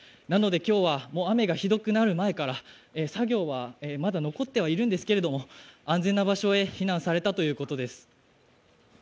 今日は雨がひどくなる前から作業はまだ残ってはいるんですけれど、安全な場所へ避難されたということです。